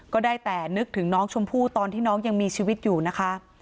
ก็ได้แต่นึกถึงน้องชมพู่ตอนที่น้องยังมีชีวิตอยู่นะคะ